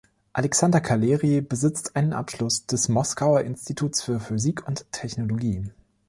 Alexander Kaleri besitzt einen Abschluss des Moskauer Instituts für Physik und Technologie.